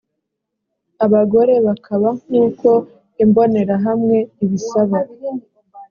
abagore bakaba nk uko imbonerahamwe ibisaba